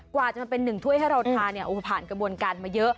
กว่าจะมาเป็นหนึ่งถ้วยให้เราทานเนี่ยโอ้โหผ่านกระบวนการมาเยอะ